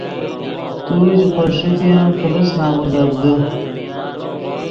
تو ژے خوئے ݰیفین پرس نمن گپ دے